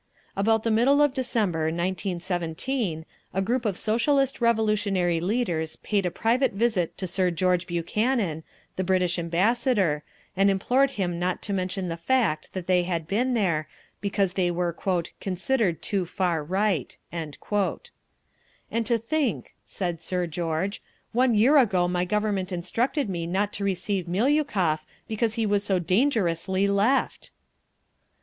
About the middle of December, 1917, a group of Socialist Revolutionary leaders paid a private visit to Sir George Buchanan, the British Ambassador, and implored him not to mention the fact that they had been there, because they were "considered too far Right." "And to think," said Sir George. "One year ago my Government instructed me not to receive Miliukov, because he was so dangerously Left!"